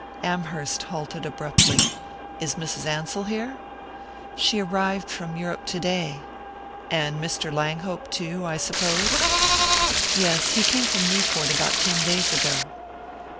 Amherst halted abruptly. "Is Mrs. Ansell here?" "She arrived from Europe today." "And Mr. Langhope too, I suppose?" "Yes. He came from Newport about ten days ago."